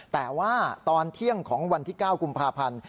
แต่ว่าตอนเที่ยงของวันที่๙กุมภาพันธ์